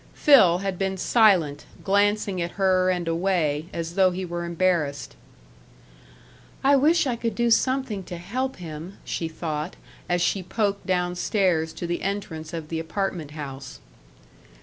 Phil had been silent, glancing at her and away, as though he were embarrassed. "I wish I could do something to help him," she thought, as she poked down stairs to the entrance of the apartment house.